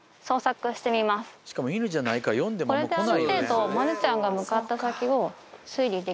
しかも犬じゃないから呼んでも来ないよね。